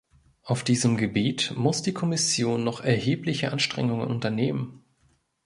Auf diesem Gebiet muss die Kommission noch erhebliche Anstrengungen unternehmen.